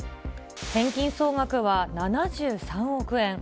返金総額は７３億円。